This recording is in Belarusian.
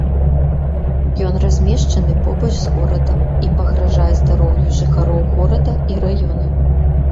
Ён размешчаны побач з горадам і пагражае здароўю жыхароў горада і раёна.